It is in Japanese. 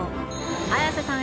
綾瀬さん